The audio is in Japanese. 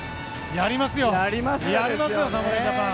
やりますよ、侍ジャパン。